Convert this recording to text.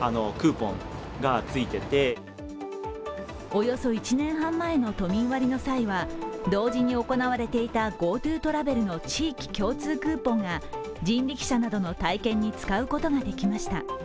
およそ１年半前の都民割の際は同時に行われていたＧｏＴｏトラベルの地域共通クーポンが人力車などの体験に使うことができました。